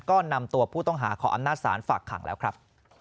ก็นำตัวผู้ต้องหาขออำนาจศาลฝากขังแล้วครับ